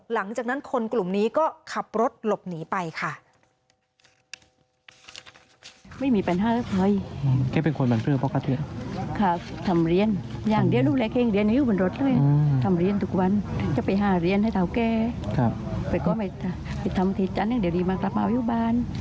หลังจากนั้นคนกลุ่มนี้ก็ขับรถหลบหนีไปค่ะ